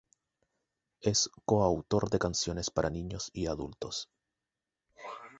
Es coautor de canciones para niños y adultos.